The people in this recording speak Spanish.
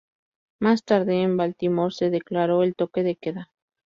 Más tarde, en Baltimore se declaró el toque de queda.